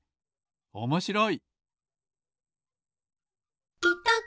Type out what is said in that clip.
おもしろい！